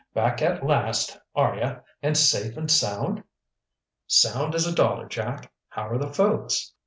"Back at last, are you, an' safe an' sound?" "Sound as a dollar, Jack. How are the folks?"